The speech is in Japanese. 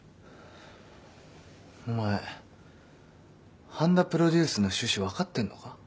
お前半田プロデュースの趣旨分かってんのか？